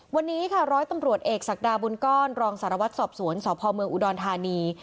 วันนี้ค่ะร้อยตำรวจเอกศักดาบุญก้อนรองสารวัตรสอบสวนสพเมืองอุดรธานี